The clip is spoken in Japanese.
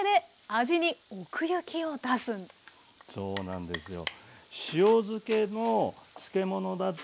あそうなんですね。